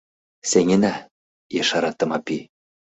— Сеҥена! — ешара Тымапи.